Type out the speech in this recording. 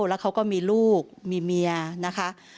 แล้วเขาก็มีลูกมีเมียนะคะ